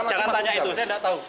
jangan tanya itu saya tidak tahu